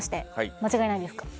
間違いないです